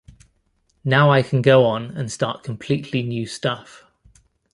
Now I can go on and start completely new stuff.